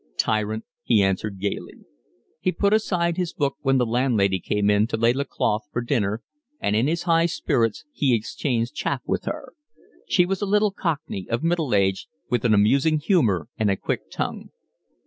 "Tyrant," he answered gaily. He put aside his book when the landlady came in to lay the cloth for dinner, and in his high spirits he exchanged chaff with her. She was a little cockney, of middle age, with an amusing humour and a quick tongue.